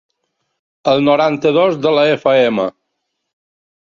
Al noranta-dos de la efa ema.